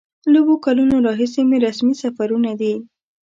له اوو کلونو راهیسې مې رسمي سفرونه دي.